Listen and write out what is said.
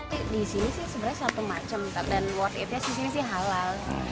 di sini sih sebenarnya satu macam dan what it is di sini sih halal